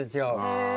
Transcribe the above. へえ。